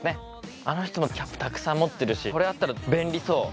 あの人もキャップたくさん持ってるしこれあったら便利そう。